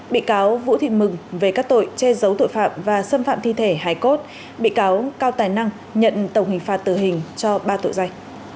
bị cáo vũ thị mừng về các tội che giấu tội phạm và xâm phạm thi thể hải cốt bị cáo cao tài năng nhận tổng hình phạt tử hình cho ba tội danh